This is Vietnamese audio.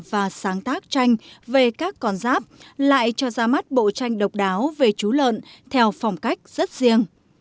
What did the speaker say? và sáng tác tranh về các con giáp lại cho ra mắt bộ tranh độc đáo về chú lợn theo phong cách rất riêng